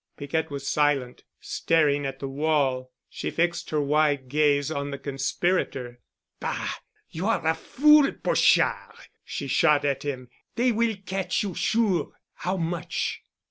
Piquette was silent, staring at the wall. Then she fixed her wide gaze on the conspirator. "Bah! You are a fool, Pochard!" she shot at him. "They will catch you sure. How much?"